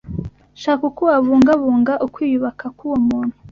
Shaka uko wabungabunga ukwiyubaha k’uwo muntu